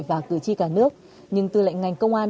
và cử tri cả nước nhưng tư lệnh ngành công an